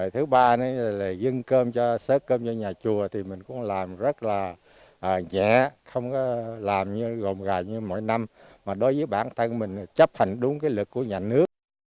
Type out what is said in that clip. thứ ba nữa là dưng cơm cho sớt cơm cho nhà chùa thì mình cũng làm rất là rẻ không có làm như gồm gà như mỗi năm mà đối với bản thân mình chấp hành đúng cái lực của nhà nước